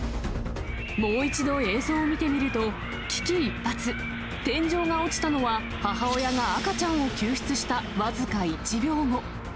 もう一度映像を見てみると、危機一髪、天井が落ちたのは、母親が赤ちゃんを救出した僅か１秒後。